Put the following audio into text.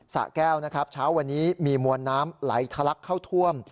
ศะแก้วช้าวันนี้มีมวลน้ำไหลทลักเข้าท่วม